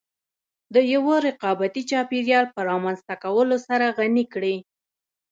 د يوه رقابتي چاپېريال په رامنځته کولو سره غني کړې.